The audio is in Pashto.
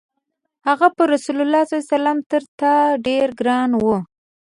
هغه پر رسول الله تر تا ډېر ګران و.